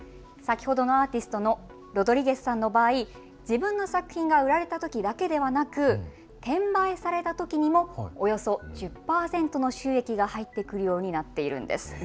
先ほどのアーティストのロドリゲスさんの場合自分の作品が売られたときだけではなく転売されたときにもおよそ１０％の収益が入ってくるようになっているんです。